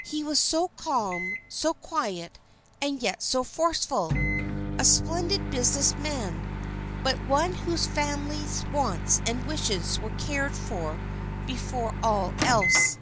He was so calm, so quiet, and yet so forceful; a splendid business man, but one whose family's wants and wishes were cared for before all else.